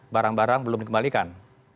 barang barang belum dikembalikan